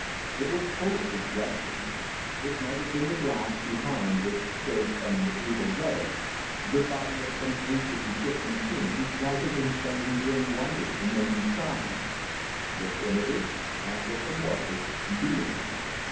It was full of suggestion. It might have been the glass behind which showed some mediaeval relic, the body of some ancient Egyptian king whose life had been spent in doing wonders and making signs the primitive, anthropomorphic being.